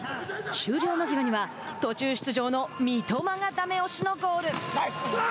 終了間際には途中出場の三笘がダメ押しのゴール。